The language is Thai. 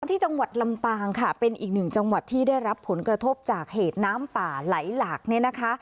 ที่จังหวัดลำปางค่ะเป็นอีกหนึ่งจังหวัดที่ได้รับผลกระทบจากเหตุน้ำป่าไหลหลากเนี่ยนะคะ